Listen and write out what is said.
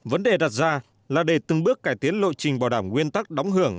vấn đề đặt ra là để từng bước cải tiến lộ trình bảo đảm nguyên tắc đóng hưởng